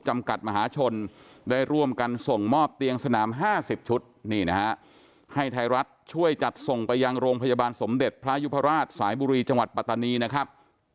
จำกัดมหาชนได้ร่วมกันส่งมอบเตียงสนาม๕๐ชุดนี่นะฮะให้ไทยรัฐช่วยจัดส่งไปยังโรงพยาบาลสมเด็จพระยุพราชสายบุรีจังหวัดปัตตานีนะครับ